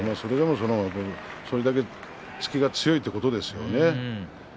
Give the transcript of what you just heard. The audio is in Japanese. それだけ突きが強いということですよ。